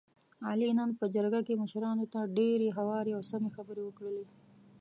علي نن په جرګه کې مشرانو ته ډېرې هوارې او سمې خبرې وکړلې.